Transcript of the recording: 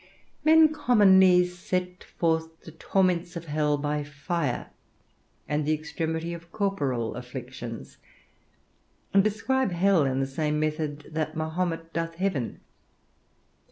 Men commonly set forth the torments of hell by fire and the extremity of corporal afflictions, and describe hell in the same method that Mahomet doth heaven.